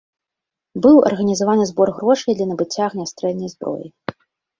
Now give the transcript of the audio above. Быў арганізаваны збор грошай для набыцця агнястрэльнай зброі.